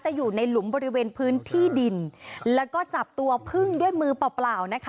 อยู่ในหลุมบริเวณพื้นที่ดินแล้วก็จับตัวพึ่งด้วยมือเปล่าเปล่านะคะ